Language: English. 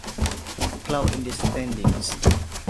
Cloud in the standings.